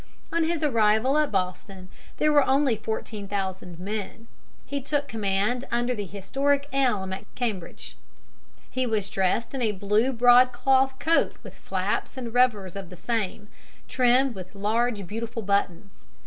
On his arrival at Boston there were only fourteen thousand men. He took command under the historic elm at Cambridge. He was dressed in a blue broadcloth coat with flaps and revers of same, trimmed with large beautiful buttons.